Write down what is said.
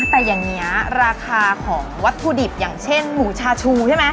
แต่อย่างนี้ราคาของวัตถุดิบอย่างเช่นหมูชาชูใช่ไหม